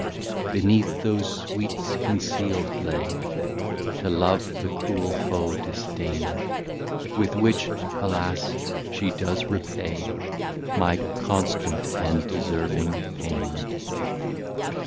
Beneath those sweets conceal'd lay, To Love the cruel Foe, Disdain, With which (alas) she does repay My Constant and Deserving Pain.